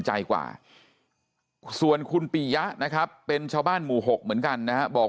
ใจกว่าส่วนคุณปียะนะครับเป็นชาวบ้านหมู่๖เหมือนกันนะฮะบอก